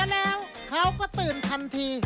แล้วเขาก็ตื่นทันที